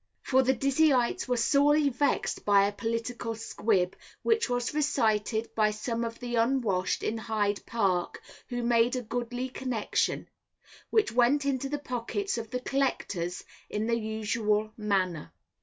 For the Dizzeyites were sorely vexed by a political squib, which was recited by some of the unwashed in Hyde Park, who made a goodly collection, which went into the pockets of the Collectors in the usual manner.